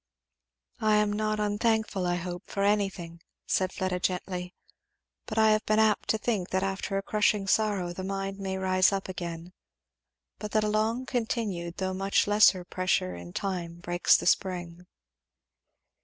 "I am not unthankful, I hope, for anything," said Fleda gently; "but I have been apt to think that after a crushing sorrow the mind may rise up again, but that a long continued though much lesser pressure in time breaks the spring."